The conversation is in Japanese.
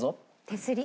手すり。